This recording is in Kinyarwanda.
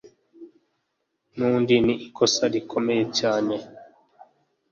n'undi, ni ikosa rikomeye cyane